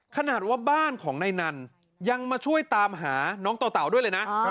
ขนาดว่าบ้านของนายนันยังมาช่วยตามหาน้องต่อเต่าด้วยเลยนะ